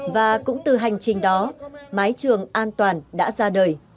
và cũng từ hành trình đó mái trường an toàn đã ra đời